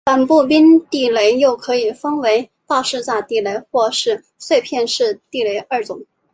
反步兵地雷又可以分为爆炸式地雷或是碎片式地雷二种。